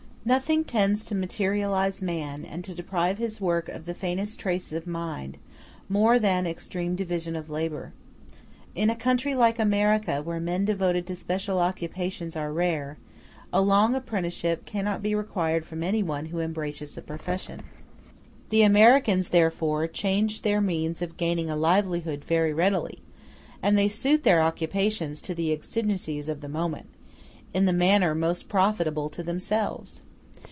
Nothing tends to materialize man, and to deprive his work of the faintest trace of mind, more than extreme division of labor. In a country like America, where men devoted to special occupations are rare, a long apprenticeship cannot be required from anyone who embraces a profession. The Americans, therefore, change their means of gaining a livelihood very readily; and they suit their occupations to the exigencies of the moment, in the manner most profitable to themselves.